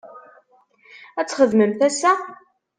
Ad txedmemt ass-a?